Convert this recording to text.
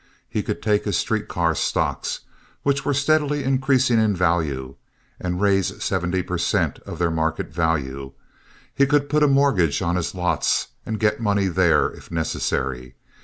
He could take his street car stocks, which were steadily increasing in value, and raise seventy per cent. of their market value. He could put a mortgage on his lots and get money there, if necessary.